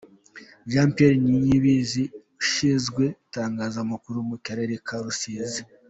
Jean Pierre Niyibizi ushinzwe Itangazamakuru mu Karere ka Rusizi.